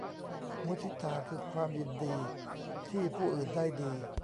มุทิตาคือความยินดีที่ผู้อื่นได้ดี